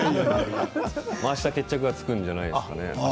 あした決着がつくんじゃないですかね。